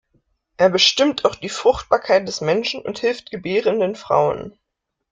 Er bestimmt auch die Fruchtbarkeit des Menschen und hilft gebärenden Frauen.